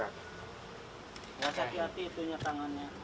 jangan sakit hati itunya tangannya